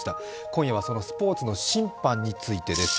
今夜はそのスポーツの審判についてです。